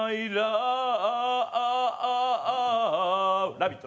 「ラヴィット！」